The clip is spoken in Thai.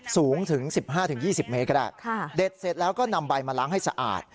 สูงถึง๑๕๒๐เมตรก็ได้เด็ดเสร็จแล้วก็นำใบมาล้างให้สะอาด